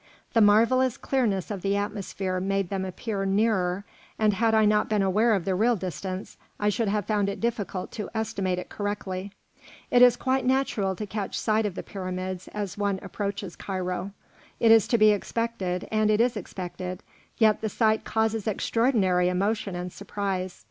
The marvellous clearness of the atmosphere made them appear nearer, and had I not been aware of the real distance I should have found it difficult to estimate it correctly. It is quite natural to catch sight of the pyramids as one approaches Cairo; it is to be expected and it is expected, yet the sight causes extraordinary emotion and surprise.